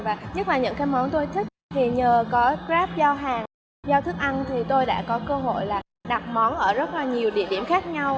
và nhất là những cái món tôi thích thì nhờ có grab giao hàng giao thức ăn thì tôi đã có cơ hội là đặt món ở rất là nhiều địa điểm khác nhau